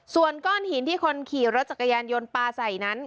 ส่วนก้อนหินที่คนขี่รถจักรยานยนต์ปลาใส่นั้น